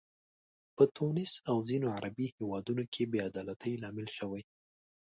په تونس او ځینو عربي هیوادونو کې بې عدالتۍ لامل شوي.